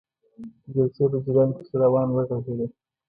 د جلسې په جریان کې ښه روان وغږیده.